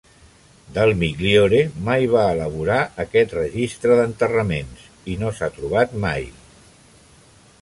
Del Migliore mai va elaborar aquest registre d'enterraments, i no s'ha trobat mai.